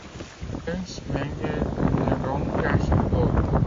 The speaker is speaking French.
Ernst Wenger le remplace alors.